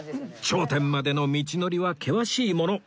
頂点までの道のりは険しいもの